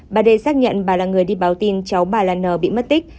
bà d xác nhận bà là người đi báo tin cháu bà là n bị mất tích